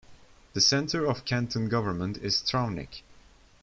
The center of canton government is Travnik.